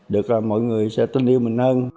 được rồi mọi người sẽ tin yêu mình